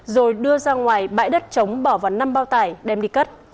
rồi đưa ra ngoài bãi đất trống bỏ vào năm bao tải đem đi cất